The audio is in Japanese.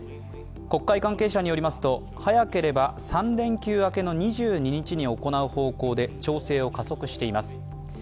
国会関係者によりますと、早ければ３連休明けの２２日に行う方向で調整を加速しています。